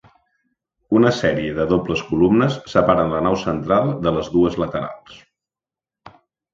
Una sèrie de dobles columnes separen la nau central de les dues laterals.